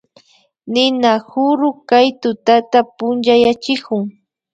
Ninakuru kay tutata punchayachikun